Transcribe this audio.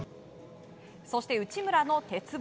そして内村の鉄棒。